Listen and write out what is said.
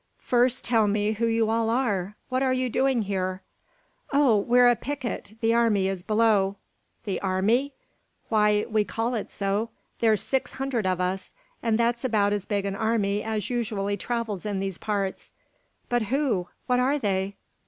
"First tell me who you all are. What are you doing here?" "Oh, we're a picket! The army is below." "The army?" "Why, we call it so. There's six hundred of us; and that's about as big an army as usually travels in these parts." "But who? What are they?"